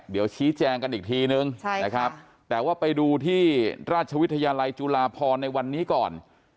เดี๋ยวชี้แจงกันอีกทีนึงนะครับแต่ว่าไปดูที่ราชวิทยาลัยจุฬาพรในวันนี้ก่อน